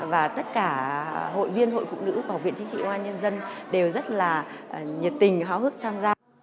và tất cả hội viên hội phụ nữ học viện chính trị công an nhân dân đều rất là nhiệt tình háo hức tham gia